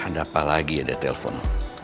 ada apa lagi ya deh telpon